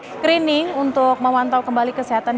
screening untuk memantau kembali kesehatan